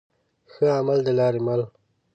ښه عمل د لاري مل.